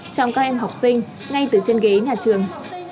trong các em học sinh ngay từ trên ghế nhà trường